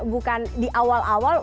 bukan di awal awal